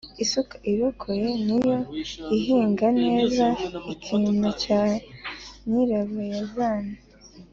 Isuka irokoye ni yo ihinga neza-Ikinwa cya Nyirabarazana.